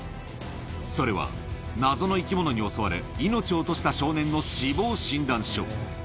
それは、謎の生き物に襲われ、命を落とした少年の死亡診断書。